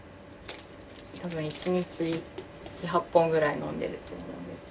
多分１日７８本ぐらい飲んでると思うんですけど。